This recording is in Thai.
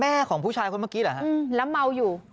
แม่ของผู้ชายเขาเมื่อกี้แหละฮะอืมแล้วเมาอยู่